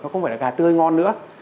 nó không phải là gà tươi ngon nữa